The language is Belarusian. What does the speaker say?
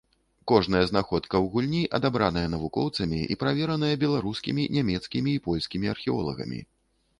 Кожная знаходка ў гульні адабраная навукоўцамі і правераная беларускімі, нямецкімі і польскімі археолагамі.